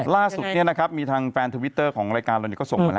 ล่าสุดเนี้ยนะครับมีทางแฟนทวิตเตอร์ของรายการโอนเงินก็ส่งมาแล้ว